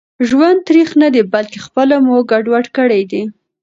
ژوند تريخ ندي بلکي خپله مو ګډوډ کړي دي